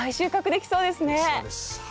できそうですはい。